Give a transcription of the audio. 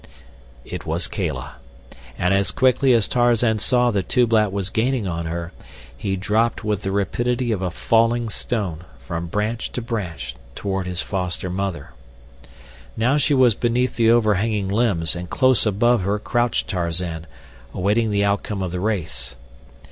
It was Kala, and as quickly as Tarzan saw that Tublat was gaining on her he dropped with the rapidity of a falling stone, from branch to branch, toward his foster mother. Now she was beneath the overhanging limbs and close above her crouched Tarzan, waiting the outcome of the race.